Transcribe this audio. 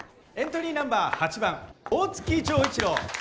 エントリーナンバー８番大月錠一郎。